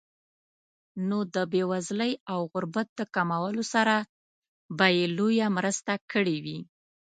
نو د بېوزلۍ او غربت د کمولو سره به یې لویه مرسته کړې وي.